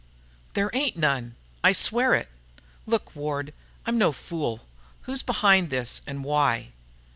"There ain't none. I swear it." "Look, Ward. I'm no fool. Who's behind this, and why?"